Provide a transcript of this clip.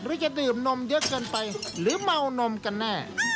หรือจะดื่มนมเยอะเกินไปหรือเมานมกันแน่